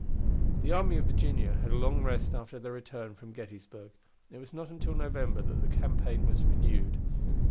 The army of Virginia had a long rest after their return from Gettysburg, and it was not until November that the campaign was renewed.